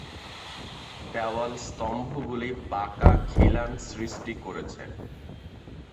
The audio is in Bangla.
দেওয়াল-স্তম্ভগুলি বাঁকা খিলান সৃষ্টি করেছে।